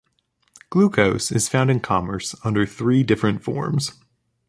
Glucose is found in commerce under three different forms.